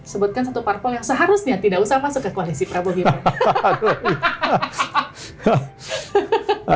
sebutkan satu parpol yang seharusnya tidak usah masuk ke koalisi prabowo